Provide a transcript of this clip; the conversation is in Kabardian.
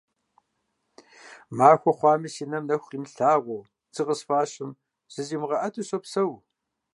Махуэ хъуамэ си нэм нэху имылъагъуу, дзы къысфӀащым зызимыгъэӀэту сопсэу.